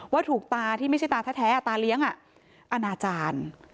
ว่าถูกตาที่ไม่ใช่ตาแท้ตาเลี้ยงอนาจารย์